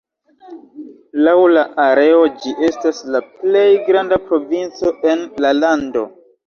Laŭ la areo ĝi estas la plej granda provinco en la lando.